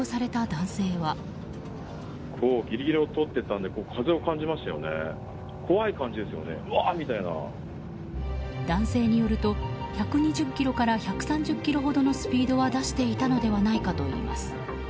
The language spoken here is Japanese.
男性によると１２０キロから１３０キロほどのスピードは出していたのではないかといいます。